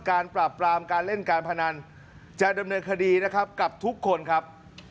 ปราบปรามการเล่นการพนันจะดำเนินคดีนะครับกับทุกคนครับ